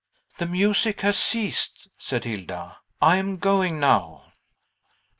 "The music has ceased," said Hilda; "I am going now."